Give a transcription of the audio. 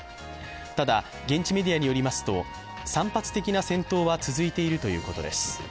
ただ、現地メディアによりますと、散発的な戦闘は続いているということです。